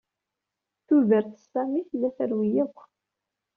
Tudert n Sami tella terwi akk.